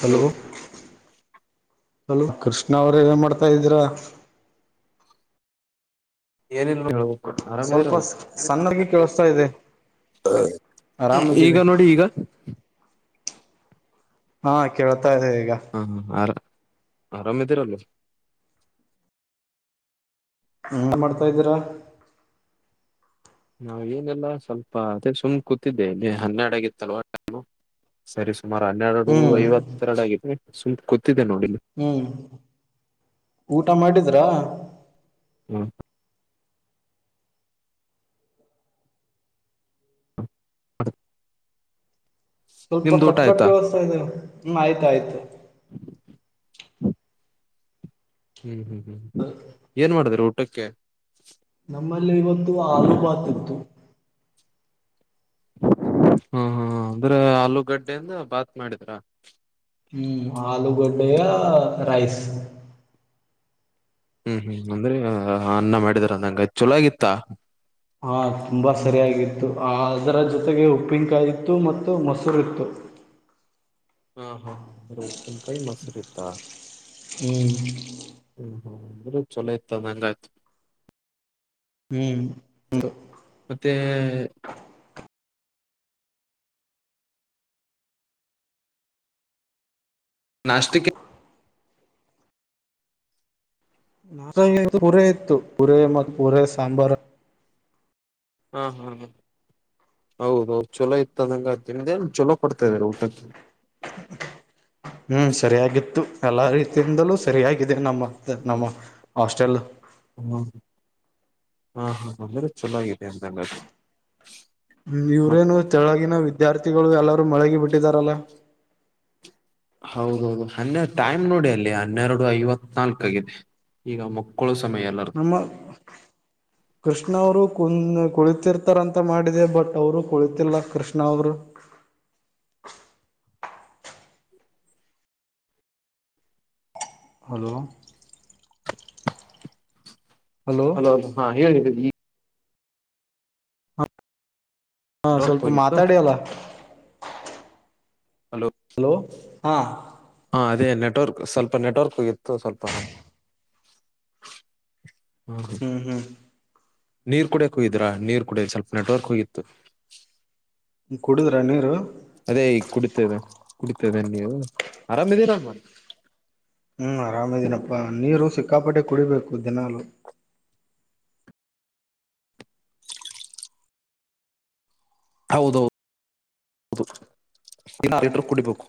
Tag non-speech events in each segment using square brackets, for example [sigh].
Hello hello Krishna ಅವ್ರೇ ಏನ್ ಮಾಡ್ತಾ ಇದ್ದೀರ? ಏನಿಲ್ಲ ಹೇಳ್ ಆರಾಮಿದಿರ ಸ್ವಲ್ಪ ಸಣ್ಣಾಗಿ ಕೇಳಿಸ್ತಾ ಇದೆ ಈಗ ಆರಾಮಿದ್ದೀವಿ ನೋಡಿ ಈಗ ಹಾ ಕೇಳ ಹ್ಮ ಹ್ಮ ಆರ ಆರಾಮಿದ್ದೀರಲ್ಲ. ನೀವೇನ್ ಮಾಡ್ತಾ ಇದೀರಾ? ನಾವ್ ಏನಿಲ್ಲ ಸ್ವಲ್ಪ ಅದೇ ಸುಮ್ನೆ ಕೂತಿದ್ದೆ ಹನ್ನೆರಡಗಿತ್ತಲ್ವ ಟೖಮು ಸರಿ. ಸುಮಾರು ಹನ್ನೆರಡು ಐವತ್ತೆರಡು ಆಗಿದೆ. ಸುಮ್ಕು ಹ್ಮನ್ ಊಟ ಮಾಡಿದ್ರಾ? ಹ್ಮ [inaudible] ಸ್ವಲ್ಪ ನಿಮ್ದು ಊಟ ಕಟ್ ಕಟ್ ಆಯ್ತಾ ಕೇಳುಸ್ತಾ ಇದೆ. ಹ್ಮ ಆಯ್ತಾಯ್ತು. ಹ್ಮ್ ಹ್ಮ್ ಹ್ಮ್ ಏನ್ ಮಾಡದ್ರಿ ಊ ಟಕ್ಕೆ ನಮ್ಮ ಲ್ಲಿ ಇವತ್ತು ಆಲೂ ಬಾತಿತ್ತು. ಹಾ ಹಾ ಅಂದ್ರೆ ಆಲೂಗಡ್ಡೆಯಿಂದ ಬಾತ್ ಮಾಡಿದ್ರ. ಹ್ಮ್ ಆಲೂಗೊಡ್ಡೆಯ ರೈಸ್. ಹ್ಮ್ ಹ್ಮ್ ಅಂದ್ರೆ ಅನ್ನ ಮಾಡಿದಾರ ಅಂದಂಗಾಯ್ತ್ ಚಲೋಗಿತ್ತ? ಆ ತುಂಬಾ ಸರಿಯಾಗಿತ್ತು, ಆ ಅದರ ಜೊತೆಗೆ ಉಪ್ಪಿನ್ಕಾಯಿತ್ತು ಮತ್ತು ಮೊಸರಿತ್ತು. ಹಾ [inaudible] ಹಾ ಉಪ್ಪಿನ್ಕಾಯಿ ಮೊಸ್ ಇತ್ತ. ಹ್ಮ ಹ ಅಂದ್ರೆ ಚೊಲೋ ಇತ್ತನಂಗಾತು. ಹ್ಮ್ ಹ್ಮ್ ಮತ್ತೆ ನಾಷ್ಟಕೆ [unintelligible] ಪುರೆ ಇತ್ತು ಪುರೆ ಮತ್ ಪೂರೆ ಸಾಂಬಾರ್. ಹಾ ಹಾ ಹೌದು ಹ್ಮ್ ಇದಾರೆ ಊಟಕ್ಕೆ ಹ್ಮ್ ಸರಿಯಾಗಿತ್ತು ಎಲ್ಲಾ ರೀತಿಯಿಂದಲೂ ಸರಿಯಾಗಿದೆ ನಮ್ಮ ನಮ್ಮ ಹಾಸ್ಟೆಲ್. ಹ್ಮ ಹಾ ಹಾ ಅಂದ್ರೆ ಚನ್ನಾಗಿದೆ ಅಂದಂಗದು. ಹ್ಮ್ ಇವ್ರೇನು ಕೆಳಗಿನ ವಿದ್ಯಾರ್ಥಿಗಳು ಎಲ್ಲಾರೂ ಮಳಗಿ ಬಿಟ್ಟಿದಾರಲ್ಲ. ಹೌದೌದು ಹನ್ನೆ ಟೈಮ್ ನೋಡಿ ಅಲ್ಲಿ ಹನ್ನೆರಡು ಐವತ್ ನಾಲ್ಕ ಆಗಿದೆ ಈಗ ಮಕ್ಕಳ್ ನಮ್ಮ ಕೃಷ್ಣ ಅವರು ಕುಂದ ಕುಳಿತಿರ್ತಾರಂತ ಮಾಡಿದೆ ಬಟ್ ಅವರು ಕುಳಿತಿಲ್ಲ ಕೃಷ್ಣ ಅವರು. ಹಲೋ ಹಲೋ ಅದು ಹಾ ಹೇಳಿದ್ದೀ. [unintelligible] ಹಾ ನೆಟ್ವರ್ಕ್ ಸ್ವಲ್ಪ ಹೋಗಿತ್ತು ಮಾತಾಡಿ ಅಲ್ಲ. ಹಲೋ ಹಾ ಹಾ ನೆಟ್ವರ್ಕ್ ಸ್ವಲ್ಪ ನೆಟ್ವರ್ಕ್ ಇತ್ತು ಸ್ವಲ್ಪ. ಹಾ ಹ್ಮ್ ಹ್ಮ್ ನೀರ್ ಕುಡಿಯಾಕ ಹೊಗ್ದೀರ ನೀರ್ ಕುಡ ಸ್ವಲ್ ನೆಟ್ವರ್ಕ್ ಹೋಗಿತ್ತು. ಕುಡಿದ್ರ ನೀರು ಅದೇ ಈಗ ಕುಡಿತೇವೆ ಕುಡಿತ್ [unintelligible] ನೀವು ಆರಾಮರಮ್ಮ. ಹ್ಮ್ ಆರಾಮಿದೀನಪ್ಪಾ ನೀರು ಸಿಕ್ಕಾಪಟ್ಟೆ ಕುಡಿಬೇಕು ದಿನಲು. ಹೌದೌದು ಹೌದು. [unintelligible] ಲೀಟರ್ ಕುಡಿಬೇಕು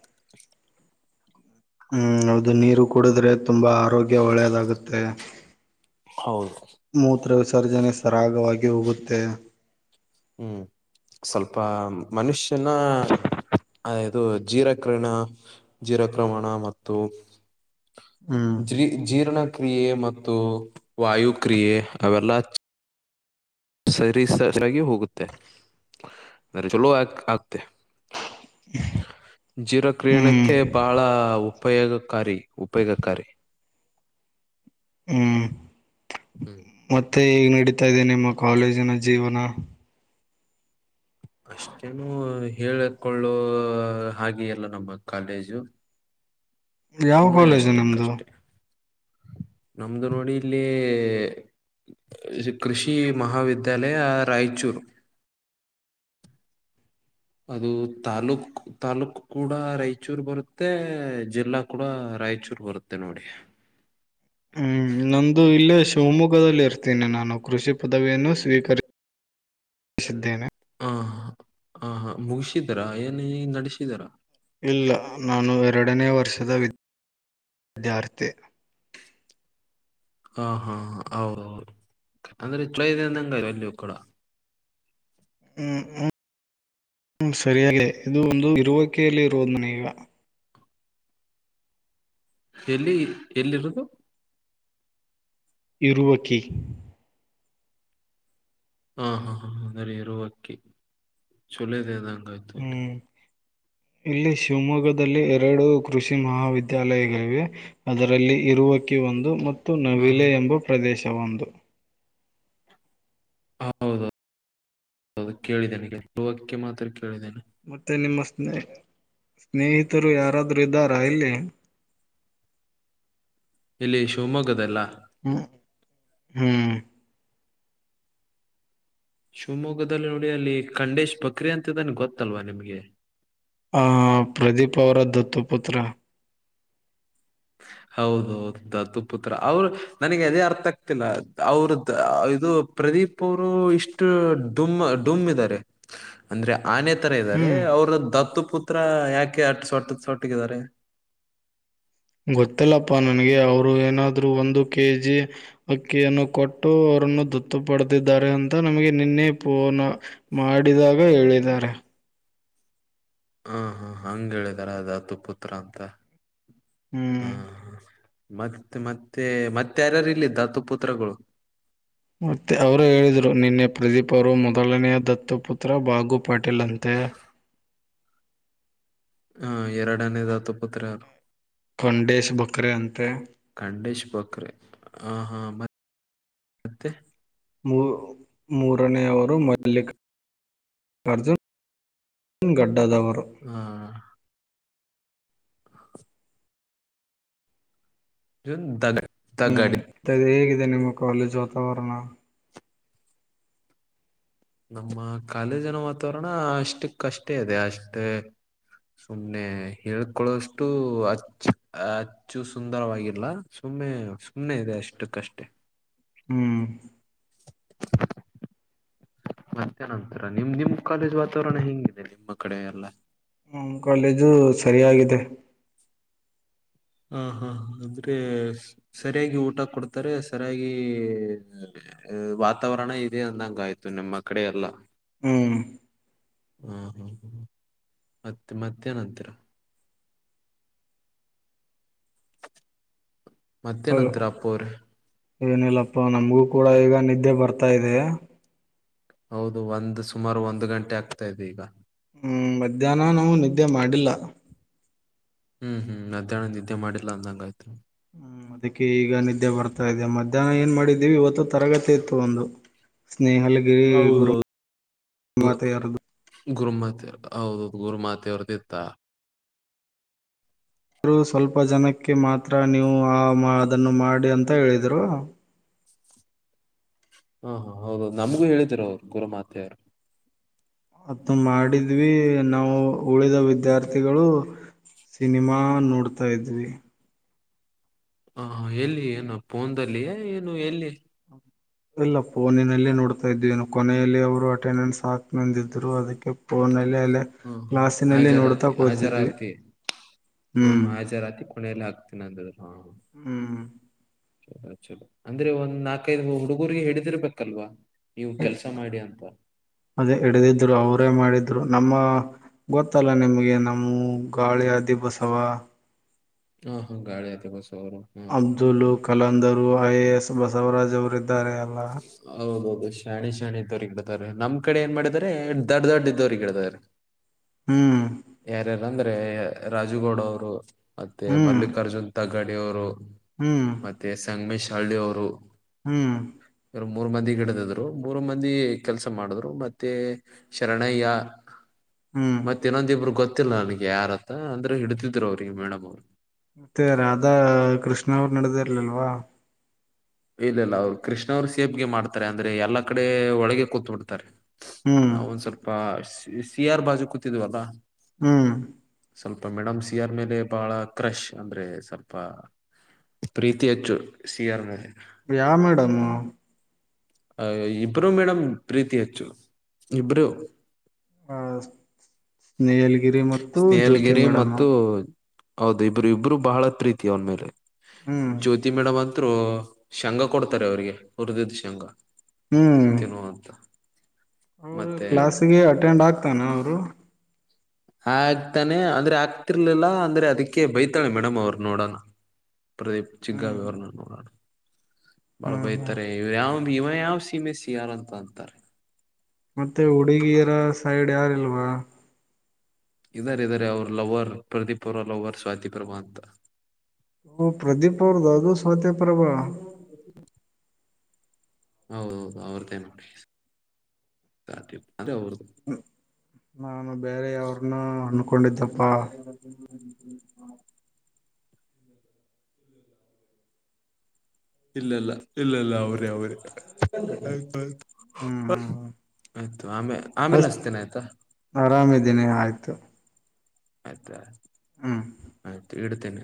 ಹ್ಮ್ ಹೌದು ನೀರು ಕುಡಿದ್ರೆ ತುಂಬಾ ಆರೋಗ್ಯ ಒಳ್ಳೆಯದಾಗುತ್ತೆ. ಹೌದು ಮೂತ್ರ ವಿಸರ್ಜನೆ ಸರಾಗವಾಗಿ. ಹೋಗುತ್ತೆ ಹ್ಮ್ [unintelligible] ಸ್ವಲ್ಪ ಮನುಷ್ಯನ ಅದು ಜೀರಾಕರಣ ಜೀರಾಕ್ರಮಣ ಮತ್ತು ಹ್ಮ್ ಜಿ ಜೀರ್ಣಕ್ರಿಯೆ ಮತ್ತು ವಾಯು ಕ್ರಿಯೆ ಅವೆಲ್ಲ ಸರಿ ಸಾಗಿ ಹೋಗುತ್ತೆ ಅ ಚಲೋ ಆ ಆಗ್ತೆ ಜೀರ ಹ್ಮ್ ಕ್ರಿಯಣಕ್ಕೆ ಬಹಳ ಉಪಯೋಗಕಾರಿ ಉಪಯೋಗಕಾರಿ ಹ್ಮ ಹ್ಮ್ ಮತ್ತೆ ಈಗ್ ನಡೀತಾ ಇದ್ದೇನೆ ಮಕ್ಕ ಕಾಲೇಜಿನ ಜೀವನ ಅಷ್ಟೇನು ಹೇಳಕೊಳ್ಳೋ ಹಾಗೆಯಲ್ಲ ನಮ್ಮ ಕಾಲೇಜು ಯಾವ ಸುಮ್ನೆ ಕಾಲೇಜು ನಮ್ದು ಅಷ್ಟಕ್ಕಷ್ಟೆ ನಮ್ದು ನೋಡಿ ಇಲ್ಲಿ ಕೃಷಿ ಮಹಾವಿದ್ಯಾ ದ್ಯಾಲಯ ರಾಯಚೂರು ಅದು ತಾಲೂಕ್ ತಾಲೂಕ್ ಕೂಡ ರಾಯಚೂರ್ ಬರುತ್ತೆ ಜಿಲ್ಲಾ ಕೂಡ ರಾಯಚೂರ್ ಬರುತ್ತೆ ನೋಡಿ ಹ್ಮ್ ನಂದು ಇಲ್ಲೇ ಶಿವಮೊಗ್ಗದಲ್ಲಿರ್ತೀನಿ ನಾನು ಕೃಷಿ ಪದವಿಯನ್ನು ಸ್ವೀಕರಿಸ ಹಾ ಹ ಹಾ ಮುಗಿಸಿದಾರ ಏನ ನಡೆಸಿದಾರ ಇಲ್ಲ ನಾನು ಎರಡನೇ ವರ್ಷದ ವಿದ ದ್ಯಾರ್ಥಿ ಹಾ ಹಾ ಹೌದೌದು ಅಂದ್ರೆ ಚಳ ಅಂಗ ಅಲ್ಲಿಯೂ ಕೂಡ ಹ್ಮ ಹ ಹ್ಮ ಸರಿಯಲ್ಲೇ ಇದು ಒಂದು ಇರುವಕೆಯಲ್ಲಿ ಇರುವುದು ನನೀಗ ಎಲ್ಲಿ ಎಲ್ಲಿರುದು ಇರುವಕ್ಕಿ ಹಾ ಹಾ ಹಾದರಿರುವಕಿ ಚಲದೆದ ಐತೇಲ್ರಿ ಹ್ಮ್ ಇಲ್ಲಿ ಶಿವಮೊಗ್ಗದಲ್ಲಿ ಎರಡೂ ಕೃಷಿ ಮಹಾವಿದ್ಯಾಲಯಗಳಿವೆ ಅದರಲ್ಲಿ ಇರುವಕಿ ಒಂದು ಮತ್ತು ಹ ನವಿಲೆ ಎಂಬ ಪ್ರದೇಶ ಒಂದು ಹೌದು ಅದು ಕೇಳಿದ್ದೇನೆಕ್ಕೆ ಇರುವಾಕಿ ಮಾತ್ರ ಕೇಳಿದ್ದೇನೆ ಮತ್ತೆ ನಿಮ್ಮ ಸ್ನೇ ಸ್ನೇಹಿತರು ಯಾರಾದ್ರೂ ಇದ್ದಾರಾ ಇಲ್ಲಿ ಇಲ್ಲಿ ಶಿವಮೊಗ್ಗದಲ್ಲ ಹ್ಮ್ ಹ್ಮ್ ಶಿವಮೊಗ್ಗದಲ್ಲಿ ನೋಡಿ ಅಲ್ಲಿ ಖಂಡೇಶ್ ಬಕ್ರಿ ಅಂತಿದ್ದನ ಗೊತ್ತಲ್ವಾ ನಿಮ್ಗೆ ಆ ಹ್ಮ ಪ್ರದೀಪ್ ಅವರ ದತ್ತು ಪುತ್ರ ಸ ಹೌದೌದು ದತ್ತು ಪುತ್ರ ಅವರು ನನಗೆ ಅದೇ ಅರ್ಥ ಆಗ್ತಿಲ್ಲ ಅವ್ರ ಇದು ಪ್ರದೀಪ್ ಅವರು ಇಷ್ಟು ಡುಮ್ ಡುಮ್ಮ ಇದಾರೆ ಆನೆ ತರ ಇದ್ದಾರೆ ಹ್ಮ್ ಅವ್ರ ದತ್ತು ಪುತ್ರ ಯಾಕೆ ಕೆ ಅಟ್ ಸೊಟ್ಟ ಸೊಟ್ಟಿಗಿದಾರೆ ಗೊತ್ತಿಲ್ಲಪ್ಪ ನನಗೆ ಅವರು ಏನಾದ್ರೂ ಒಂದು ಕೆ ಜಿ ಅಕ್ಕಿಯನ್ನು ಕೊಟ್ಟು ಅವರನ್ನು ದತ್ತು ಪಡ್ದಿದ್ದಾರೆ ಅಂತ ನಮಗೆ ನಿನ್ನೆ ಫೋನ್ ಮಾಡಿದಾಗ ಹೇಳಿದ್ದಾರೆ ಹ ಹಾ ಹಂಗ ಹೇಳಿದಾರ ದತ್ತು ಪುತ್ರ ಅಂತ ಹಾ ಹ್ಮ್ ಹ ಮತ್ತು ಮತ್ತು ಮತ್ತೆ ಮತ್ತೆ ಯಾರ್ಯಾರು ಇಲ್ಲಿ ದತ್ತು ಪುತ್ರಗಳು ಮತ್ತೆ ಅವರು ಹೇಳಿದರು ನಿನ್ನೆ ಪ್ರದೀಪರು ಮೊದಲನೆಯ ದತ್ತುಪುತ್ರ ಬಾಗು ಪಾಟೀಲ್ ಅಂತೆ ಹಾ ಎರಡನೇ ದತ್ತು ಪುತ್ರ ಯಾರು ಅವರು ಖಂಡೇಶ್ ಬಕ್ರೆ ಅಂತೆ ಖಂಡೇಶ್ ಬಕ್ರೆ ಹ ಹಾ ಮತ್ತೆ ಮತ್ತೆ ಮೂ ಮೂರನೆಯವರು ಮಲ್ಲಿಕ ಹ್ಮ್ ಗಡ್ಡದವರು ಹ ಜ ದ ಹ್ಮ್ ಹೇಗಿದೆ ನಿಮ್ಮ ಕಾಲೇಜು ವಾತಾವರಣ ನಮ್ಮ ಕಾಲೇಜನ ವಾತಾವರಣ ಅಷ್ಟು ಕಷ್ಟೇ ಇದೆ ಅಷ್ಟೇ ಸುಮ್ನೆ ಹೇಳ್ಕೊಳ್ಳಷ್ಟು ಅಚ್ಚ ಅಚ್ಚು ಸುಂದರವಾಗಿಲ್ಲ ಸುಮ್ನೆ ಸುಮ್ನೇ ಇದೆ ಅಷ್ಟು ಕಷ್ಟೇ ಹ್ಮ್ ಮತ್ತೆನಂತಿರ ನಿಮ ನಿಮ್ ಕಾಲೇಜ್ ವಾತಾವರಣ ಹೆಂಗಿದೆ ನಿಮ್ಮ ಕಡೆ ಎಲ್ಲ ಹ್ಮ ನಮ್ ಕಾಲೇಜು ಸರಿಯಾಗಿದೆ ಹ ಹಾ ಅಂದ್ರೆ ಸರಿಯಾಗಿ ಊಟ ಕೊಡ್ತಾರೆ ಸರಿಯಾಗಿ ವಾತಾವರಣ ಇದೆ ಅಂದಂಗಯ್ತು ನಮ್ಮ ಕಡೆ ಎಲ್ಲ ಹ್ಮ್ ಹಾ ಹ್ಮ್ ಹ ಮತ್ತೆ ಮತ್ತೇನಂತೀರ ಹ ಮತ್ತೇನಂತೀರ ಅಪ್ಪು ಅವ್ರೆ ಏನಿಲ್ಲಪ್ಪ ನಮ್ಗೂ ಕೂಡ ಈಗ ನಿದ್ದೆ ಬರ್ತಾ ಇದೆ ಹೌದು ಒಂದು ಸುಮಾರು ಒಂದು ಗಂಟೆ ಆಗ್ತಾ ಇದೆ ಈಗ ಹ್ಮ್ ಮಧ್ಯಾಹ್ನ ನಾವು ನಿದ್ದೆ ಮಾಡಿಲ್ಲ. ಹ್ಮ್ ಹ್ಮ್ ಮಧ್ಯಾಹ್ನದ ನಿದ್ದೆ ಮಾಡಿಲ್ಲ ಅಂದಂಗಾಯ್ತು. ಹ್ಮ್ ಅದಕ್ಕೆ ಈಗ ನಿದ್ದೆ ಬರ್ತಾ ಇದೆ ಮಧ್ಯಾಹ್ನ ಏನ್ ಮಾಡಿದ್ದೀವಿ ಇವತ್ತು ತರಗತಿ ಇತ್ತು ಒಂದು ಸ್ನೇಹಲ್ಗಿರಿ ಹೌದು ಗುರು ಮಾತೆಯರದು ಗುರುಮಾತೆ. ಹೌದ ಗುರು ಮಾತೆವ್ರದ ಇತ್ತ. ರು ಸ್ವಲ್ಪ ಜನಕ್ಕೆ ಮಾತ್ರ ನೀವು ಆ ಮಾ ಅದನ್ನು ಮಾಡಿ ಅಂತ ಹೇಳಿದ್ರು. ಹಾ ಹಾ ಹೌದೌದು ನಮಗೂ ಹೇಳಿದ್ರು ಗುರುಮಾತೆ. ಅತ್ತು ಮಾಡಿದ್ವಿ ನಾವು ಉಳಿದ ವಿದ್ಯಾರ್ಥಿಗಳು ಸಿನಿಮಾ ನೋಡ್ತಾ ಇದ್ವಿ. ಹ ಎಲ್ಲಿ ಏನು ಫೋನ್ದಲ್ಲಿಯ ಏನು ಎಲ್ಲಿ? ಇಲ್ಲ ಹ್ಮ ಫೋನಿನಲ್ಲೇ ನೋಡ್ತಾ ಇದ್ವಿ ನಾವ್ ಕೊನೆಯಲ್ಲಿ ಅವರು ಅಟೆಂಡೆನ್ಸ್ ಹಾಕ್ ನಂದಿದ್ ಹ್ಮ ಹ ಕ್ಲಾಸಿನಲ್ಲಿ ನೋಡ್ತಾ ಹಜರಾತಿ ಕೂತಿದ್ವಿ ಹಜರಾತಿ ಹ್ಮ ಹ್ಮ್ ಹಾ ಹಾಜರಾತಿ ಕೊನೆಯಲ್ಲಿ ಹಾಕ್ತೀನ್ ಅಂದ್ರೆನೊ. ಹ್ಮ್ ಚಲೊ ಚಲ ಅಂದ್ರೆ ಒಂದ್ ನಾಕೈದು ಹುಡುಗರಿಗೆ ಹಿಡಿದಿರ್ಬೇಕಲ್ವಾ. ನೀವು ಕೆಲ್ಸ ಮಾಡಿ ಅಂತ. ಅದೇ ಹಿಡಿದಿದ್ರು ಅವರೇ ಮಾಡಿದ್ರು ನಮ್ಮ ಗೊತ್ತಲ್ಲ ನಿಮಗೆ ನಮ್ಮ್ ಗಾಳಿ ಆದಿ ಬಸವ ಹಾ ಹಾ ಗಾಳಿಆದಿ Basava. Abdul Kalandar I A S Basavaraj ಅವರಿದ್ದಾರೆ ಅಲ್ಲ. ತರಿಗಿಡತಾರೆ ನಮ್ಮ್ ಕಡೆ ಏನ್ ಮಾಡಿದ್ದಾರೆ ದಡ್ಡ್ ದಡ್ಡ್ ಇದ್ದೋವ್ರಿಗೆ ಗಿಡಿದಿದ್ದಾರೆ. ಹ್ಮ್ ಯಾರ್ಯಾರು? ಅಂದ್ರೆ ರಾಜುಗೌಡ ಅವರು ಮತ್ತೆ ಹ್ಮ್ ಮಲ್ಲಿಕಾರ್ಜುನ್ ತಗಡಿ ಅವರು ಹ್ಮ್ ಮತ್ತೆ ಸಂಗ್ಮೇಶ್ ತಳ್ಳಿಯವ್ರು. ಹ್ಮ್ ಮೂರ್ ಮಂದಿಗಿಡದಿದ್ರು ಮೂರ್ ಮಂದಿ ಕೆಲ್ಸ ಮಾಡಿದ್ರು ಮತ್ತೆ ಶರಣಯ್ಯ ಹ್ಮ್ ಮತ್ತೆ ಇನ್ನೊಂದಿಬ್ರು ಗೊತ್ತಿಲ್ಲ ನನಗೆ. ಯಾರತ್ರ ಅಂದ್ರೆ ಹಿಡಿತಿದ್ರು ಅವ್ರಿಗೆ ಮೇಡಮ್ಮು. ಮತ್ತೆ ರಾಧಾ ಕೃಷ್ಣ ಅವರು ನಡದಿರ್ಲಿಲ್ವಾ? ಇಲ್ಲ ಇಲ್ಲ ಅವ್ರು ಕೃಷ್ಣ ಅವರು ಸೇಫ್ಗೇಮ್ ಆಡ್ತಾರೆ ಅಂದ್ರೆ ಎಲ್ಲಾ ಕಡೆ ಒಳಗೆ ಕೂತ್ ಬಿಡ್ತಾರೆ. ಹ್ಮ್ ನಾ ಒಂದ್ ಸ್ವಲ್ಪ ಈ ಸಿ ಆರ್ ಬಾಜು ಕೂತಿದ್ವಲ್ಲಾ. ಹ್ಮ್ ಸ್ವಲ್ಪ ಮಿಡಮ್ ಸಿಯರ್ ಮೇಲೆ ಬಹಳ ಕ್ರಶ್ ಅಂದ್ರೆ ಸ್ವಲ್ಪ [unintelligible] ಪ್ರೀತಿ ಹೆಚ್ಚು ಸಿಯರ್ ಮೇಲೆ. ಯಾವ್ ಮೇಡಮು ಅ ಇಬ್ರು ಮೇಡಮ್ ಪ್ರೀತಿ ಹೆಚ್ಚು ಇಬ್ರು. ಹ [unintelligible] ಸ್ನೇಹಲಗಿರಿ ಮತ್ತು ಹೌದು ಇಬ್ರು ಇಬ್ರು ಬಹಳ ಪ್ರೀತಿ ಅವನ್ ಮೇಲೆ. ಹ್ಮ್ ಜ್ಯೋತಿ ಮೇಡಮ್ ಅಂತ್ರು ಶಂಗಾ ಕೊಡ್ತರೆ ಅವ್ರಿಗೆ ಹುರಿದಿದ್ ಶಂಗಾ. ಹ್ಮ್ ತಿನ್ನುವಂತ [unintelligible] ಅವರು ಮತ್ತೆ ಕ್ಲಾಸಿಗೆ ಅಟೆಂಡ್ ಹ ಆಗ್ತಾನ ಅವರು ಆಗ್ತಾನೆ ಅಂದ್ರೆ ಆಗ್ತಿರ್ಲಿಲ್ಲ ಅಂದ್ರೆ ಅದಕ್ಕೆ ಬೈತಾಳೆ ಮೇಡಮ್ ಅವ್ರು ನೋಡನ. ಪ್ರದೀಪ್ ಚಿಗಾ ಹ್ಮ್ ವಿವರ್ರಣೋಡ ಬಾಳ ಹ್ಮ್ ಹ್ಮ್ ಬೈತಾರೆ ಇವ ಯಾವ್ ಇವ ಯಾವ್ ಸೀಮೆ ಸಿಯಾರ್ ಅಂತ ಅಂತರೆ. ಮತ್ತೆ ಹುಡುಗಿಯರ ಸೈಡ್ ಯಾರಿಲ್ವ. ಇದರ ಇದರೆ ಅವರು ಲವರ್ ಪ್ರದೀಪ್ ಅವ್ರು ಲವರ್ ಸ್ವಾತಿಪರ್ವ ಅಂತ. ಹೊ ಪ್ರದೀಪ್ ಅವ್ರದ ಅದು. ಮತೆ ಇನ್ನ [unintelligible] ಹೌದೌದು ಅವ್ರ್ದೇ ನೋಡಿ [unintelligible] ಸಾ ಅದೆ ಅವ್ರ ಹ ನ ಬೇರೆ ಯವ್ರನ್ನ ಅನ್ಕೊಂಡಿದ್ದಪ್ಪ. ಹ ಇಲ್ಲ ಇಲ್ಲ ಇಲ್ಲ ಇಲ್ಲ ಅವ್ರೆ ಅವ್ರೆ. ಆಯ್ತ್ ಹ್ಮ್ ಹ್ಮ್ ಹ್ಮ್ ಆಯ್ತು ಆಮೇ ಅ ಆಮೇಲೆ ಹಸ್ತಿನಿ ಆಯ್ತಾ. ಆರಾಮಿದ್ದೀನಿ ಆಯ್ತು ಆಯ್ತ ಹ್ಮ್ ಆಯ್ತು ಇಡುತಿನಿ